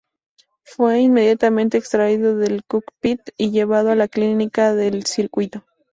Fue inmediatamente extraído del "cockpit" y llevado a la clínica del circuito.